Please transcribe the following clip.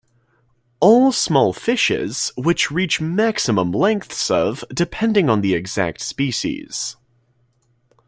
All small fishes, which reach maximum lengths of depending on the exact species.